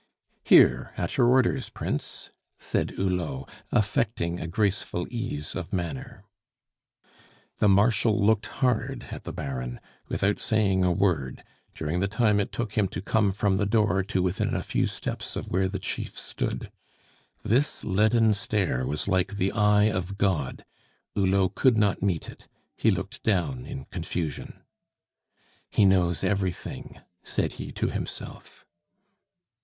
"Here! At your orders, Prince!" said Hulot, affecting a graceful ease of manner. The Marshal looked hard at the Baron, without saying a word, during the time it took him to come from the door to within a few steps of where the chief stood. This leaden stare was like the eye of God; Hulot could not meet it; he looked down in confusion. "He knows everything!" said he to himself.